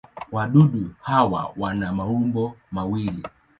Wadudu hawa wana maumbo mawili.